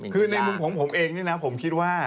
คือในมุมของผมเองนี่นะผมคิดว่า